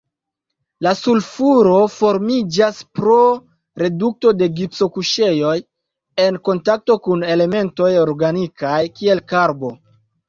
La sulfuro formiĝas pro redukto de gipso-kuŝejoj en kontakto kun elementoj organikaj, kiel karbo.